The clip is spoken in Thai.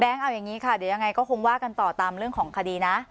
เอาอย่างนี้ค่ะเดี๋ยวยังไงก็คงว่ากันต่อตามเรื่องของคดีนะ